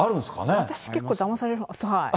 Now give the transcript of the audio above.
私、結構だまされる。